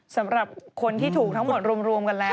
สำหรับคนที่ถูกทั้งหมดรวมกันแล้ว